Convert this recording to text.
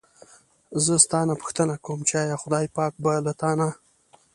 زه ستا نه پوښتنه کووم چې ایا خدای پاک به له تا نه.